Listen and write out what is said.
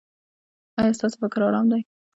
ایا ستاسو فکر ارام دی؟